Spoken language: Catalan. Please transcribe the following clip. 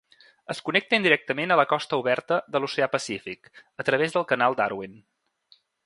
Es connecta indirectament a la costa oberta de l'Oceà Pacífic, a través del canal Darwin.